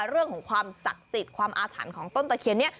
เรื่องของความสักติดความอาถรรพ์ของต้นตะเคียน